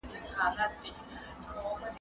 د افلاطون او ماکياولي سياسي نظريې مشهوري دي.